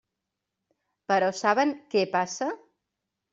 Però saben què passa?